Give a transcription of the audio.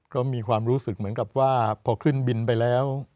ก็มีความรู้สึกเหมือนกับว่าพอขึ้นบินไปแล้ว